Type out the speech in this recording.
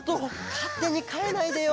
かってにかえないでよ。